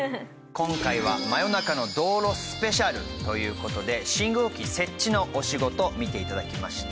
今回は真夜中の道路スペシャルという事で信号機設置のお仕事見て頂きました。